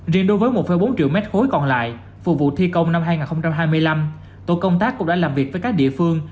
riêng đối với một bốn triệu mét khối còn lại phục vụ thi công năm hai nghìn hai mươi năm tổ công tác cũng đã làm việc với các địa phương